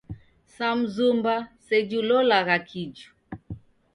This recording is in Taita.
Sa mzumba seji ulolagha kiju.